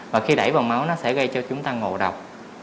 và khi đẩy vào máu nó sẽ gây cho chúng ta ngộ độc